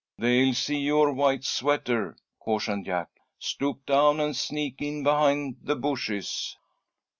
"They'll see your white sweater," cautioned Jack. "Stoop down, and sneak in behind the bushes."